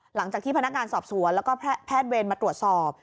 หลังจากที่พนักงานสอบสวนแล้วก็แพทย์เวรมาตรวจสอบ